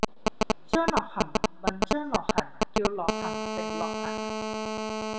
張諾恒問張樂痕叫諾恒定樂痕？